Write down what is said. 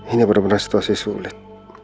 ini benar benar situasi sulit